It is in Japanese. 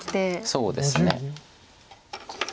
そうですね。